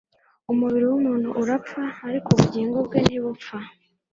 Umubiri wumuntu urapfa, ariko ubugingo bwe ntibupfa.